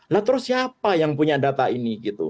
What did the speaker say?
nah terus siapa yang punya data ini gitu